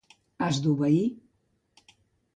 Has d'obeir.